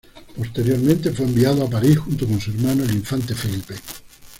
Posteriormente, fue enviado a París junto con su hermano, el infante Felipe.